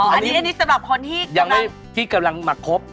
อันนี้สำหรับคนที่กำลังมาคบ